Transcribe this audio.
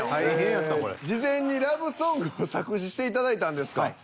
事前にラブソングを作詞していただいたんですか。